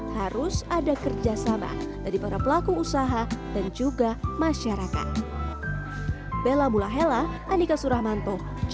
harus ada kerjasama dari para pelaku usaha dan juga masyarakat